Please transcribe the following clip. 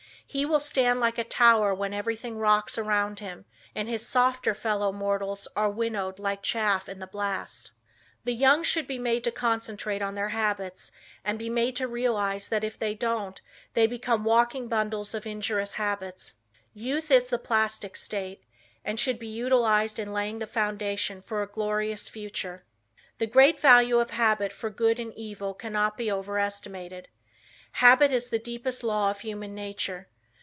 "He will stand like a tower when everything rocks around him and his softer fellow mortals are winnowed like chaff in the blast." The young should be made to concentrate on their habits and be made to realize that if they don't they become walking bundles of injurious habits. Youth is the plastic state, and should be utilized in laying the foundation for a glorious future. The great value of habit for good and evil cannot be overestimated. "Habit is the deepest law of human nature."